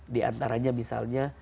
di antaranya misalnya